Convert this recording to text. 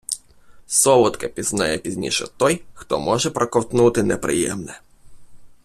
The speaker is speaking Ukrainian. Солодке пізнає пізніше той, хто може проковтнути неприємне.